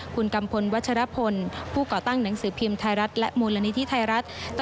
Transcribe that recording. คุณกัมพลวัชรพลผู้ก่อตั้งหนังสือพิมพ์ไทยรัฐและมูลนิธิไทยรัฐ